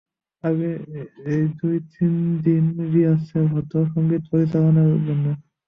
আগে তো দুই থেকে তিন দিন রিহার্সাল হতো সংগীত পরিচালকদের সঙ্গে।